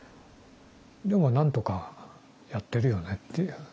でもなんとかやってるよねっていう。